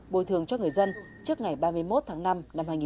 bồi thường cho người dân trước ngày ba mươi một tháng năm năm hai nghìn một mươi bảy